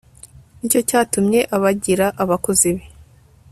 ni cyo cyatumye abagira abakozi be